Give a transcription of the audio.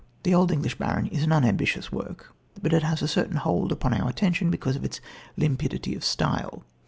The Old English Baron is an unambitious work, but it has a certain hold upon our attention because of its limpidity of style.